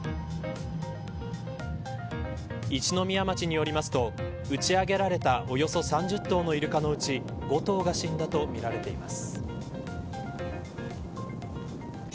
一宮町によりますと打ち上げられたおよそ３０頭のイルカのうち５頭が死んだとみられています。